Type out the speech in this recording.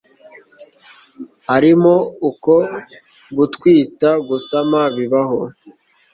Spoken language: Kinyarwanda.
harimo uko gutwita gusama bibaho